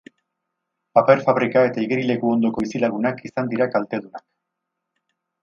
Paper-fabrika eta igerileku ondoko bizilagunak izan dira kaltedunak.